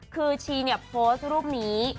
คือชีเนี่ยโพสต์รูปนี้